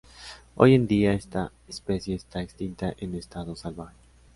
Hoy en día esta especie está extinta en estado salvaje.